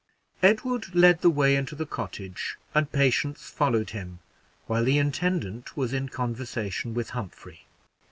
Edward led the way into the cottage, and Patience followed him, while the intendant was in conversation with Humphrey.